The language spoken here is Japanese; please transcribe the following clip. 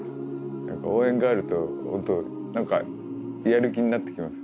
応援があると本当何かやる気になってきます。